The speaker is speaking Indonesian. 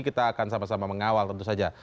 kita akan sama sama mengawal tentu saja